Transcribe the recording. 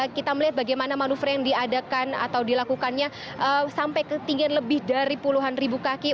kita melihat bagaimana manuver yang diadakan atau dilakukannya sampai ketinggian lebih dari puluhan ribu kaki